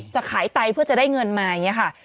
จะขายไตเพื่อจะได้เงินมาอย่างนี้ค่ะ